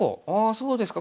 そうですか。